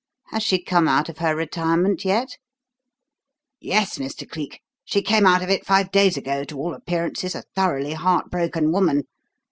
Has she come out of her retirement yet?" "Yes, Mr. Cleek. She came out of it five days ago, to all appearances a thoroughly heart broken woman.